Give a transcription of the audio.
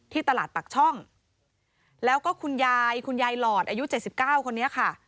ตลาดปากช่องแล้วก็คุณยายคุณยายหลอดอายุ๗๙คนนี้ค่ะ